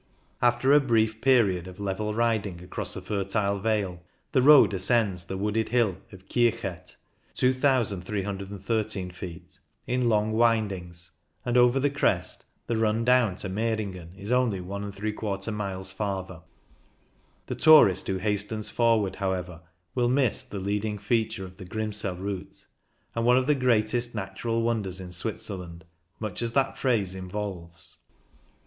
After a brief period of level riding across a fertile vale, the road ascends the wooded hill of Kirchet (2,313 ft) in long windings, and over the crest the run down to Meiringen is only if miles farther. The tourist who hastens forward, however, will miss the leading feature of the Grimsel route, and one of the greatest natural wonders in Switzerland, much as that phrase involves.